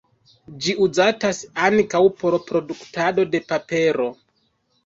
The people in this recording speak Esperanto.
Ĝi uzatas ankaŭ por produktado de papero.